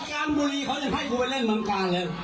คนการบุรีเขาจะให้กูเล่นคนปริศน์ต์